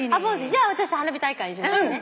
じゃあ私「花火大会」にしますね。